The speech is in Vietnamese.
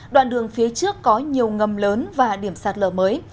đoạn đường phía trước có nhiều ngầm lớn và điểm sạt lở mới